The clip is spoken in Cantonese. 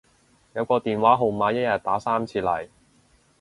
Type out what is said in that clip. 有個電話號碼一日打三次嚟